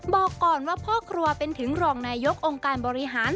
บอกก่อนว่าพ่อครัวเป็นถึงรองนายกองค์การบริหาร